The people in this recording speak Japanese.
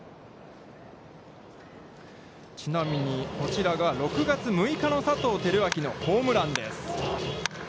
ちなみに、こちらが６月６日の佐藤輝明のホームランです。